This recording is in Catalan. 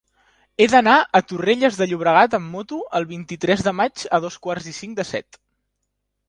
He d'anar a Torrelles de Llobregat amb moto el vint-i-tres de maig a dos quarts i cinc de set.